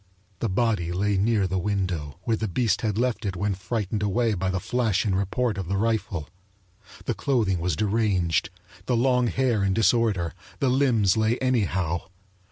The body lay near the window, where the beast had left it when frightened away by the flash and report of the rifle. The clothing was deranged, the long hair in disorder, the limbs lay anyhow.